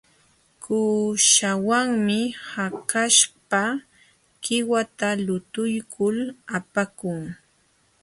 Kuuśhawanmi hakaśhpa qiwata lutuykul apakun.